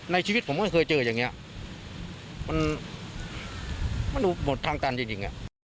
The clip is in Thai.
ในชีวิตผมไม่เคยเจออย่างนี้มันดูหมดทางจันทร์จริง